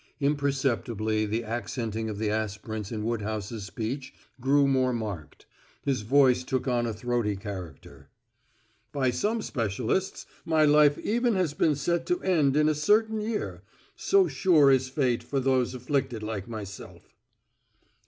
Imperceptibly the accenting of the aspirants in Woodhouse's speech grew more marked; his voice took on a throaty character. "By some specialists my life even has been set to end in a certain year, so sure is fate for those afflicted like myself."